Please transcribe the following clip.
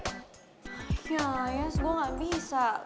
ayah jas gue gak bisa